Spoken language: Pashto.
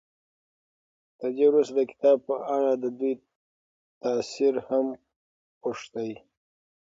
تر دې وروسته د کتاب په اړه د دوی تأثر هم پوښتئ.